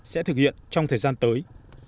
sẽ thực hiện trong thời gian tới